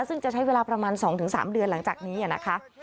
ซึ่งจะใช้เวลาประมาณ๒๓เดือนหลังจากนี้นะคะ